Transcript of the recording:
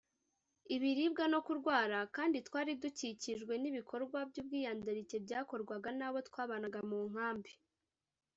ibiribwa no kurwara kandi twari dukikijwe n ibikorwa by ubwiyandarike byakorwaga n abo twabanaga mu nkambi